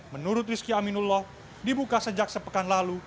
menurut rizky aminullah dibuka sejak sepekan lalu